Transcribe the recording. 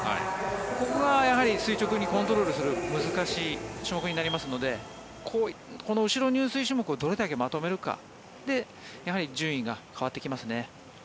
ここが垂直にコントロールする難しい種目になりますのでこの後ろ入水種目をどれだけまとめるかでやはり順位が変わってきますね。